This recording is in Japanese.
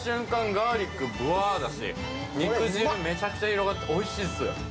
ガーリック、ブワーだし、肉汁めちゃくちゃ広がっておいしいっす。